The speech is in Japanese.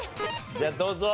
じゃあどうぞ。